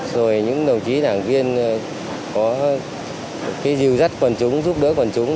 rồi những đồng chí đảng viên có cái dìu dắt quần chúng giúp đỡ quần chúng